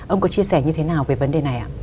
ông có chia sẻ như thế nào về vấn đề này ạ